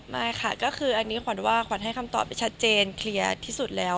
ไม่ค่ะก็คืออันนี้ขวัญว่าขวัญให้คำตอบไปชัดเจนเคลียร์ที่สุดแล้ว